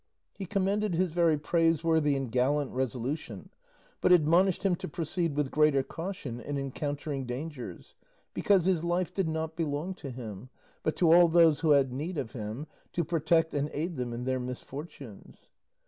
He commended his very praiseworthy and gallant resolution, but admonished him to proceed with greater caution in encountering dangers, because his life did not belong to him, but to all those who had need of him to protect and aid them in their misfortunes.